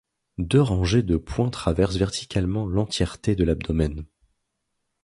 Deux rangées de points traversent verticalement l'entièreté de l'abdomen.